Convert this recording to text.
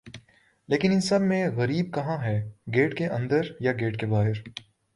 لیکن ان سب میں غریب کہاں ہے گیٹ کے اندر یا گیٹ کے باہر